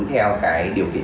theo cái điều kiện